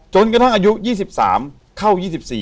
จนกระทั่งอายุ๒๓เข้า๒๔